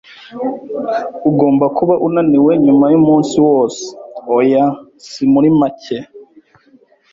"Ugomba kuba unaniwe nyuma yumunsi wose." "Oya, si muri make."